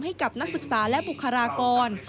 ให้กับนักศึกษาและบุคลากร